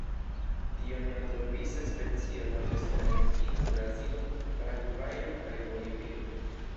Tiu neotropisa specio loĝas en Argentino, Brazilo, Paragvajo kaj Bolivio.